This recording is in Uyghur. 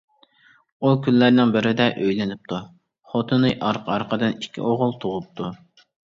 ئۇ كۈنلەرنىڭ بىرىدە ئۆيلىنىپتۇ، خوتۇنى ئارقا-ئارقىدىن ئىككى ئوغۇل تۇغۇپتۇ.